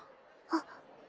あっ！